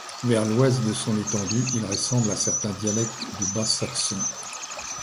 Vers l’ouest de son étendue il ressemble à certains dialectes du bas saxon.